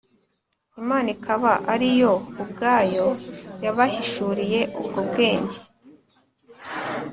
Imana ikaba ari yo ubwayo yabahishuriye ubwo bwenge